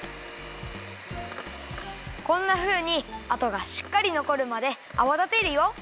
こんなふうにあとがしっかりのこるまであわだてるよ。